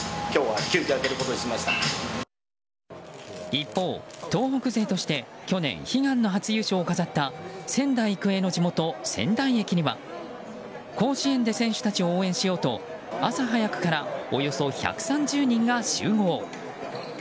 一方、東北勢として去年、悲願の初優勝を飾った仙台育英の地元・仙台駅には甲子園で選手たちを応援しようと朝早くからおよそ１３０人が集合。